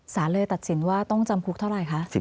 สารเลยตัดสินว่าต้องจำคุกเท่าไหร่คะ